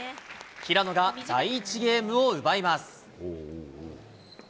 平野が第１ゲームを奪います。